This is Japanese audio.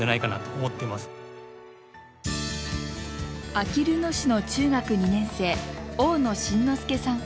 あきる野市の中学２年生大野心之輔さん。